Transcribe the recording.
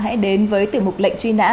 hãy đến với tiểu mục lệnh truy nã